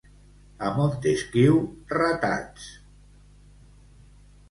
A Montesquiu, ratats.